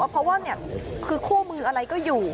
เพราะว่าคือคู่มืออะไรก็อยู่